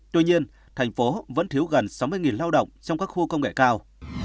tuy nhiên thành phố vẫn thiếu gần sáu mươi lao động trong các khu công nghệ cao